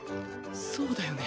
そうだよね。